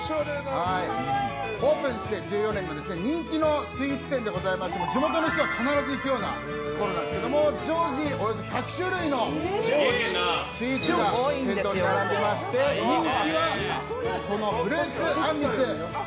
オープンして１４年の人気のスイーツ店で地元の人は必ず行くようなところなんですけども常時およそ１００種類のスイーツが店頭に並んでいまして人気はフルーツあんみつ。